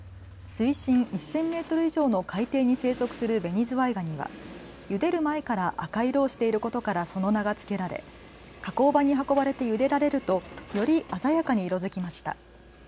水深１０００メートル以上の海底に生息するベニズワイガニはゆでる前から赤い色をしていることからその名が付けられ、加工場に運ばれてゆでられるとより鮮やかに色づきました。